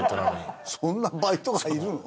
そんなバイトがいるの？